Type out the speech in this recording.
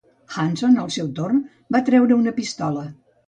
Hanson, al seu torn, va treure una pistola.